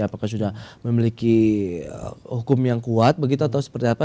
apakah sudah memiliki hukum yang kuat begitu atau seperti apa